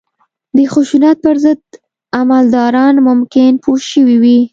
د خشونت پر ضد علمبرداران ممکن پوه شوي وي